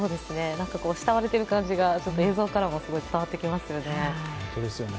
慕われている感じが映像からもすごく伝わってきますよね。